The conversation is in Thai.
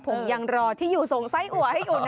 ผมยังรอที่อยู่ส่งไส้อัวให้อยู่นะ